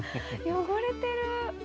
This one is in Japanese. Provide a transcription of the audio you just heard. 汚れてる。